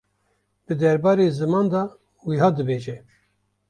di derbarê ziman de wiha dibêje.